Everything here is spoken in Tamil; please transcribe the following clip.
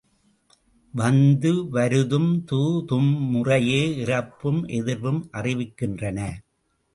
வந்து வருதும் து, தும் முறையே இறப்பும் எதிர்வும் அறிவிக்கின்றன.